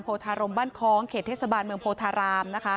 ธารมบ้านคล้องเขตเทศบาลเมืองโพธาราม